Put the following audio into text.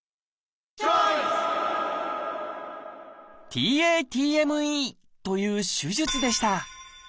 「ＴａＴＭＥ」という手術でした。